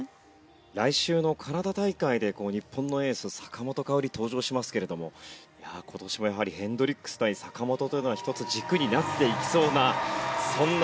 来週のカナダ大会で日本のエース坂本花織登場しますけれどもいやあ今年もやはりヘンドリックス対坂本というのは１つ軸になっていきそうなそんな気配があります。